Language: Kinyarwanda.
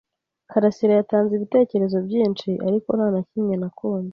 karasira yatanze ibitekerezo byinshi, ariko nta na kimwe nakunze.